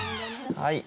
はい。